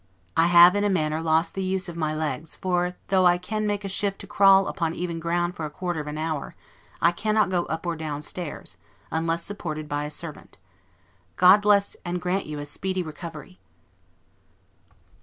I have in a manner lost the use of my legs; for though I can make a shift to crawl upon even ground for a quarter of an hour, I cannot go up or down stairs, unless supported by a servant. God bless you and grant you a speedy recovery!